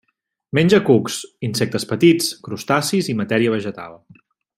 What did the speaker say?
Menja cucs, insectes petits, crustacis i matèria vegetal.